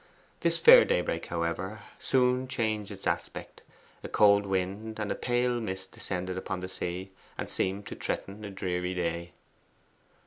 This fair daybreak, however, soon changed its aspect. A cold wind and a pale mist descended upon the sea, and seemed to threaten a dreary day.